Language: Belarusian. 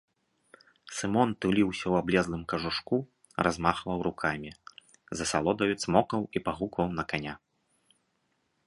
Сымон туліўся ў аблезлым кажушку, размахваў рукамі, з асалодаю цмокаў і пагукваў на каня.